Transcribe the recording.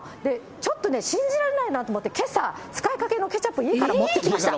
ちょっとね、信じられないなと思って、けさ、使いかけのケチャップ、家から持ってきました。